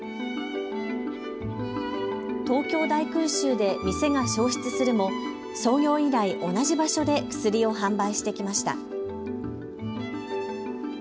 東京大空襲で店が焼失するも創業以来、同じ場所で薬を販売してきました。